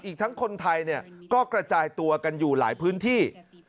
อีกทั้งคนไทยก็กระจายตัวกันอยู่หลายพื้นที่